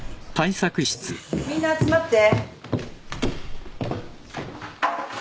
みんな集まって。